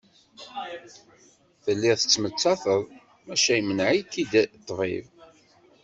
Telliḍ tettmettateḍ maca imneε-ik-id ṭṭbib.